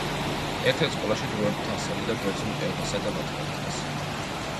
ერთ-ერთ სკოლაში დროებით ასწავლიდა ბერძნულ ენასა და მათემატიკას.